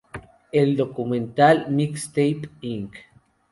En el documental "Mixtape, Inc.